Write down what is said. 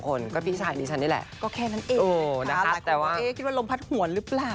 หลายคนบอกว่าเอ๊คิดว่าลมพัดหัวหรือเปล่า